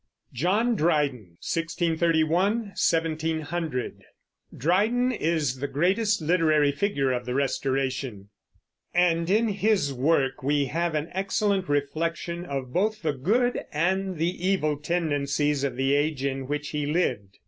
JOHN DRYDEN (1631 1700) Dryden is the greatest literary figure of the Restoration, and in his work we have an excellent reflection of both the good and the evil tendencies of the age in which he lived.